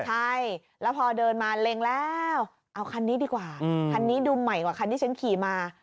ใช่แล้วพอเดินมาเล็งแล้วเอาคันนี้ดีกว่าคันนี้ดูใหม่กว่าคันที่ฉันขี่มา